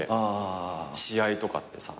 試合とかってさ。